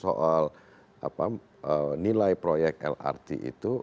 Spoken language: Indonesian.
soal nilai proyek lrt itu